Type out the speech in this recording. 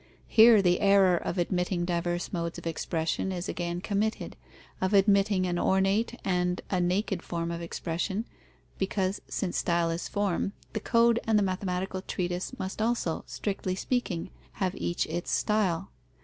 Here the error of admitting diverse modes of expression is again committed, of admitting an ornate and a naked form of expression, because, since style is form, the code and the mathematical treatise must also, strictly speaking, have each its style.